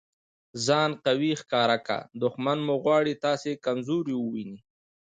ځان قوي ښکاره که! دوښمن مو غواړي تاسي کمزوری وویني.